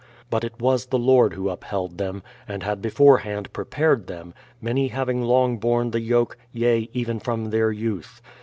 But it was the Lord who upheld them, and had beforehand pre pared them, many having long borne the yoke, yea, even from their youth.